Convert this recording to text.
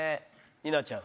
稲ちゃん。